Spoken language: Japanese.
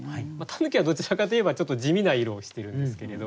狸はどちらかといえばちょっと地味な色をしてるんですけれど。